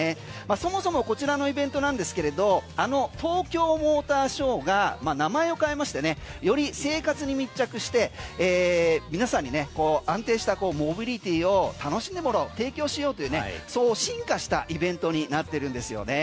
そもそも、こちらのイベントなんですけれどあの東京モーターショーが名前を変えましてより生活に密着して皆さんに安定したモビリティを楽しんでもらおう提供しようという進化したイベントになってるんですよね。